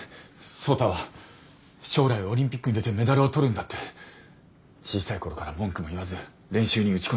走太は将来オリンピックに出てメダルを取るんだって小さい頃から文句も言わず練習に打ち込んできました。